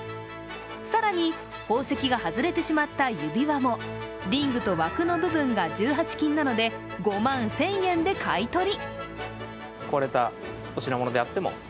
更に、宝石が外れてしまった指輪もリングと枠の部分が１８金なので５万１０００円で買い取り。